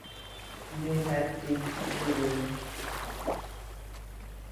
They had five six children.